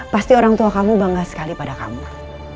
pasti orangtua kamu bangga sekali pada kamu